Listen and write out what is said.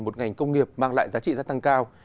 một ngành công nghiệp mang lại giá trị gia tăng cao